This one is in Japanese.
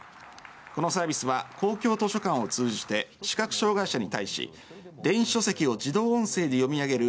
このサービスは公共図書館を通じて視覚障害者に対し電子書籍を自動音声で読み上げる